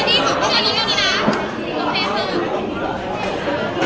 ที่เจนนี่ของกล้องนี้นะคะ